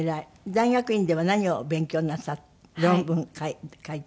大学院では何を勉強なさった論文書いたの？